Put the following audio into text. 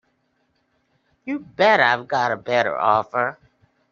You bet I've got a better offer.